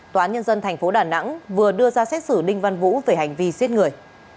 tòa án nhân dân tp đà nẵng vừa đưa ra xét xử đinh văn vũ về hành vi giết người